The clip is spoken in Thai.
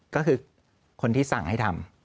ก็คือคนที่สั่งให้ทำ